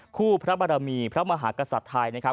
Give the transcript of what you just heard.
พระบารมีพระมหากษัตริย์ไทยนะครับ